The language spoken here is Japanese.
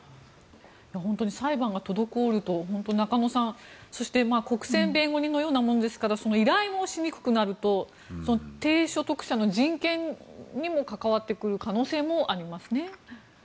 本当に裁判が滞ると中野さん国選弁護人のようなものですから依頼もしにくくなると低所得者の事件にも関わってくる可能性もありますね。